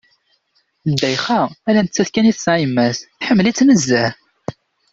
Ddayxa, ala nettat kan i tesɛa yemma-s, teḥmmel-itt nezzeh.